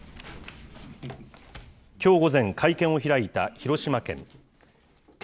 きょう午前、会見を開いた広島県。